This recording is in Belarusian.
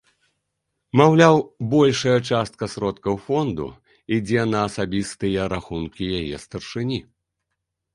Маўляў, большая частка сродкаў фонду ідзе на асабістыя рахункі яе старшыні.